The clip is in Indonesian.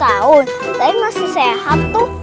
tapi masih sehat tuh